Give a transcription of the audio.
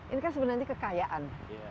ini kan sebenarnya kekayaan